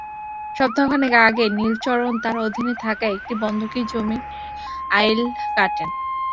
সপ্তাহ খানেক আগে নীলচরণ তাঁর অধীনে থাকা একটি বন্ধকি জমির আইল কাটেন।